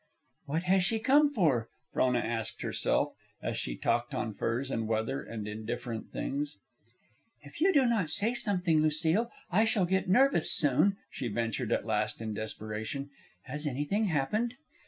"What has she come for?" Frona asked herself, as she talked on furs and weather and indifferent things. "If you do not say something, Lucile, I shall get nervous, soon," she ventured at last in desperation. "Has anything happened?"